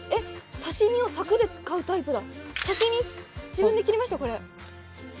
刺身柵で買うタイプだ。